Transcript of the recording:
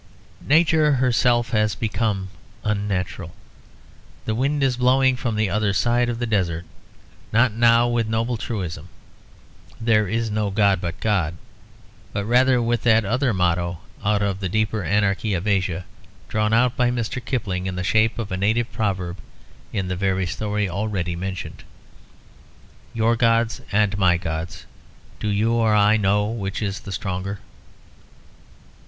Nature herself has become unnatural. The wind is blowing from the other side of the desert, not now with noble truism "There is no God but God," but rather with that other motto out of the deeper anarchy of Asia, drawn out by Mr. Kipling, in the shape of a native proverb, in the very story already mentioned; "Your gods and my gods, do you or I know which is the stronger?"